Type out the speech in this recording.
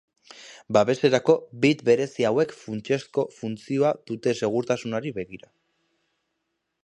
Babeserako bit berezi hauek funtsezko funtzioa dute segurtasunari begira.